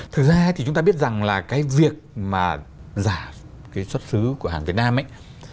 thực ra thì chúng ta biết rằng là cái việc mà giả cái xuất xứ của hàng việt nam ấy